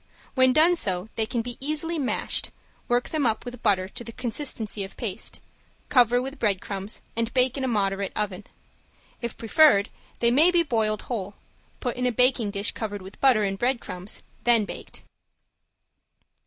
When done so they can be easily mashed work them up with butter to the consistency of paste, cover with breadcrumbs, and bake in a moderate oven. If preferred they may be boiled whole, put in a baking dish covered with butter and breadcrumbs, then baked.